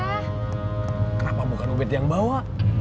kenapa bukan ubed yang bawa